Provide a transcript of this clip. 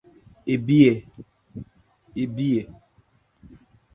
Ébí ɛ ?